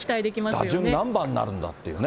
打順、何番になるんだっていうね。